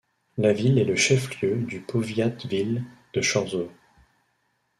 La ville est le chef-lieu du powiat-ville de Chorzów.